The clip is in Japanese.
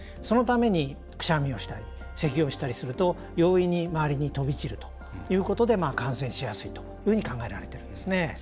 そのために、くしゃみをしたりせきをしたりすると、容易に周りに飛び散るということで感染しやすいというふうに考えられているんですね。